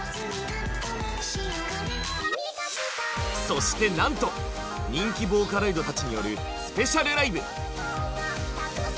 そしてなんと人気ボーカロイドたちによるスペシャルライブ！